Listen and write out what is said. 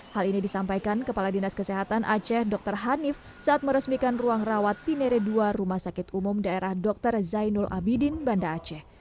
hal ini disampaikan kepala dinas kesehatan aceh dr hanif saat meresmikan ruang rawat pinere ii rumah sakit umum daerah dr zainul abidin banda aceh